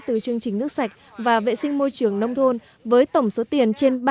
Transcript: từ chương trình nước sạch và vệ sinh môi trường nông thôn với tổng số tiền trên